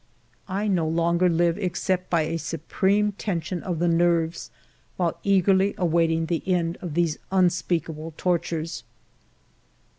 I no longer live except by a supreme tension of the nerves, while eagerly awaiting the end of these unspeakable tortures.